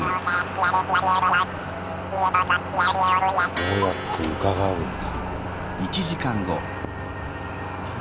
こうやってうかがうんだ。